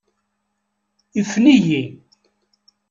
Ifen-iyi.